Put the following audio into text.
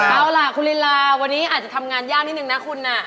เอาล่ะคุณลินลาวันนี้อาจจะทำงานยากนิดนึงนะคุณ